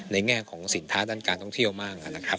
ในแง่ของศีลท้าด้านการท่องเที่ยวมากนะครับ